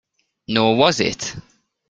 Nor was it.